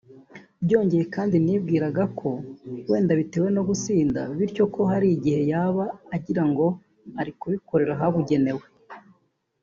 Byongeye kandi nibwiraga ko wenda bitewe no gusinda bityo ko hari igihe yaba agirango ari kubikora ahabugenewe